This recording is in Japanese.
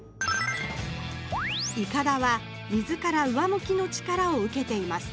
いかだは水から上向きの力を受けています。